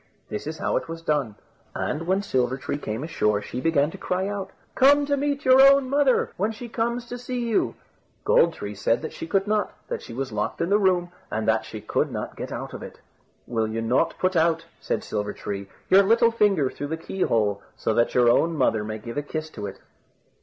This is how it was done; and when Silver tree came ashore, she began to cry out: "Come to meet your own mother, when she comes to see you," Gold tree said that she could not, that she was locked in the room, and that she could not get out of it. "Will you not put out," said Silver tree, "your little finger through the key hole, so that your own mother may give a kiss to it?"